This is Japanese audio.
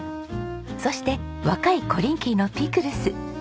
そして若いコリンキーのピクルス。